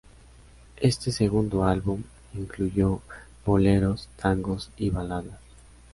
Este segundo álbum incluyó boleros, tangos y baladas.